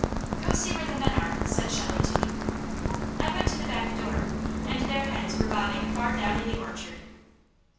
"Go see where the men are," said Shelley to me. I went to the back door, and their heads were bobbing far down in the orchard.